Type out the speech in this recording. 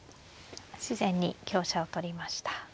自然に香車を取りました。